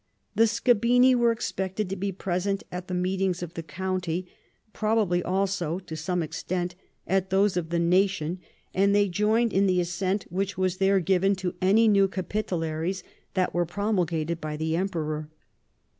The scabini were expected to be present at the meetings of the count}'' — probably also, to some extent, at those of the nation, and they joined in the assent which was there given to any new Capitularies that were promulgated by the emperor.